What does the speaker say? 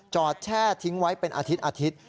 จอดแช่ทิ้งไว้เป็นอาทิตย์อาทิตย์